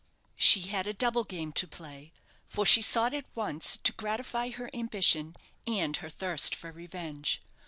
She had a double game to play; for she sought at once to gratify her ambition and her thirst for revenge.